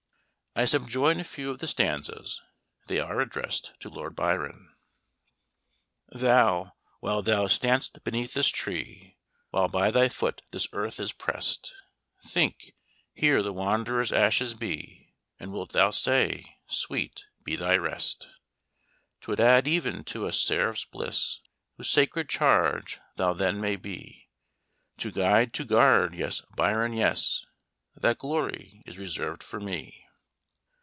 I subjoin a few of the stanzas: they are addressed to Lord Byron: "Thou, while thou stand'st beneath this tree, While by thy foot this earth is press'd, Think, here the wanderer's ashes be And wilt thou say, sweet be thy rest! "'Twould add even to a seraph's bliss, Whose sacred charge thou then may be, To guide to guard yes, Byron! yes, That glory is reserved for me."